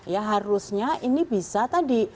ya harusnya ini bisa tadi